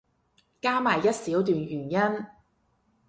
加埋一小段原因